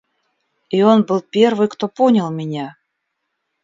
И он был первый, кто понял меня.